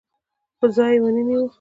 خو ځای یې ونه نیو